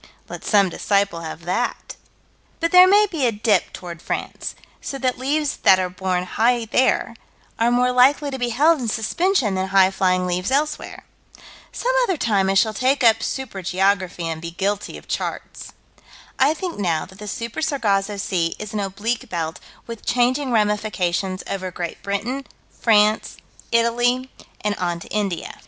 Let some disciple have that. But there may be a dip toward France, so that leaves that are borne high there, are more likely to be held in suspension than highflying leaves elsewhere. Some other time I shall take up Super geography, and be guilty of charts. I think, now, that the Super Sargasso Sea is an oblique belt, with changing ramifications, over Great Britain, France, Italy, and on to India.